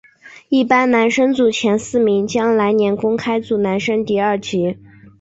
一般男生组前四名将来年公开组男生第二级。